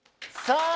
さあ